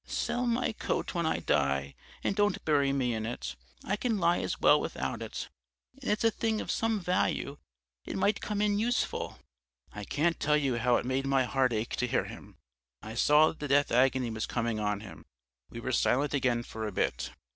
"'Sell my coat when I die, and don't bury me in it. I can lie as well without it; and it's a thing of some value it might come in useful.' "I can't tell you how it made my heart ache to hear him. I saw that the death agony was coming on him. We were silent again for a bit.